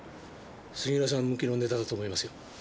杉浦さん向きのネタだと思いますよ。